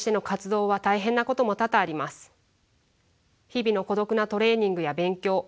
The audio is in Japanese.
日々の孤独なトレーニングや勉強。